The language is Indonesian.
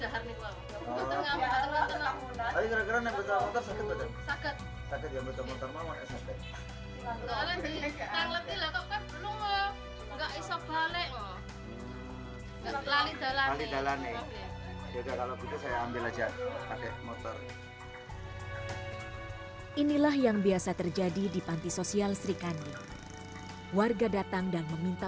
hai inilah yang biasa terjadi di panti sosial srikandi warga datang dan meminta